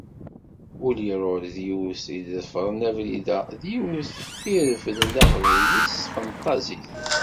Uli Rohde d yiwet i iḍefren abrid-a, d yiwet i irefden Taqbaylit s tfenṭazit.